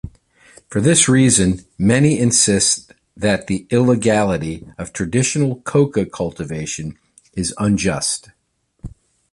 For this reason many insist that the illegality of traditional coca cultivation is unjust.